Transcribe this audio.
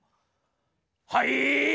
はい？